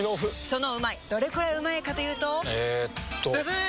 そのうまいどれくらいうまいかというとえっとブブー！